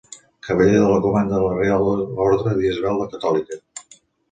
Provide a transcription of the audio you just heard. Cavaller de Comanda de la Reial Orde d'Isabel la Catòlica.